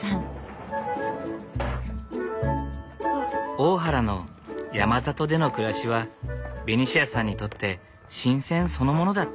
大原の山里での暮らしはベニシアさんにとって新鮮そのものだった。